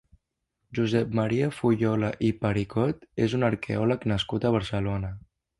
Josep Maria Fullola i Pericot és un arqueòleg nascut a Barcelona.